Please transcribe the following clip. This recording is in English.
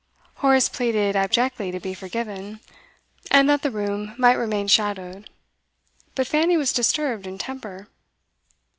Horace pleaded abjectly to be forgiven, and that the room might remain shadowed; but Fanny was disturbed in temper.